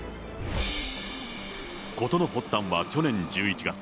事の発端は去年１１月。